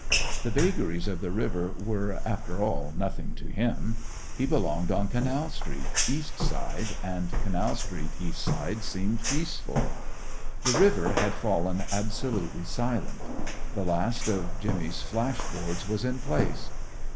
The vagaries of the river were, after all, nothing to him. He belonged on Canal Street, east side; and Canal Street, east side, seemed peaceful. The river had fallen absolutely silent. The last of Jimmy's flash boards was in place.